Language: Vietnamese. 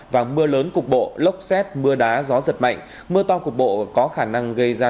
và mưa lớn cục bộ lốc xét mưa đá gió giật mạnh mưa to cục bộ có khả năng gây ra